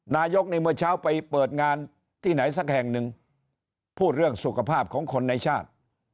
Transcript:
นายกในเมื่อเช้าไปเปิดงานที่ไหนสักแห่งหนึ่งพูดเรื่องสุขภาพของคนในชาติ